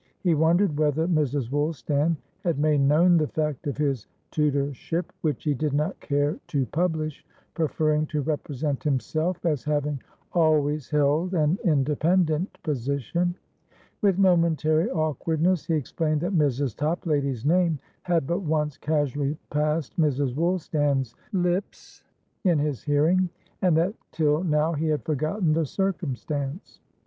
He wondered whether Mrs. Woolstan had made known the fact of his tutorship, which he did not care to publish, preferring to represent himself as having always held an independent position. With momentary awkwardness he explained that Mrs. Toplady's name had but once casually passed Mrs. Woolstan's Tips in his hearing, and that till now he had forgotten the circumstance.